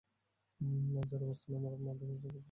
যার যার অবস্থান থেকে আমরা আমাদের কাজ করব, সেটাই আমাদের চাওয়া।